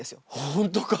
本当か！